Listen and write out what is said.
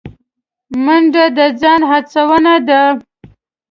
منډه د ځان هڅونه ده